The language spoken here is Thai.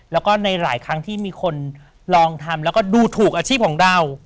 แล้วก็ในหลายครั้งที่มีคนลองทำแล้วก็ดูถูกอาชีพของเรา